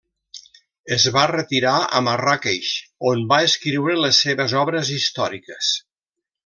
Es va retirar a Marràqueix on va escriure les seves obres històriques.